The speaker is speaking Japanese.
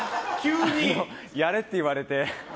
やれって言われて。